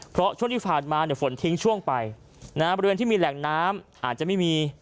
เพราะช่วงที่ผ่านมาเนี่ยฝนทิ้งช่วงไปนะฮะบริเวณที่มีแหล่งน้ำอาจจะไม่มี